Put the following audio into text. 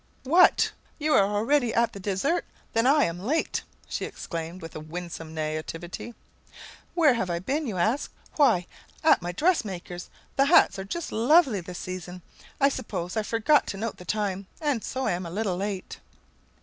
"What! You are already at the dessert? Then I am late," she exclaimed, with a winsome naïveté. "Where have I been, you ask? Why, at my dress maker's. The hats are just lovely this season! I suppose I forgot to note the time, and so am a little late."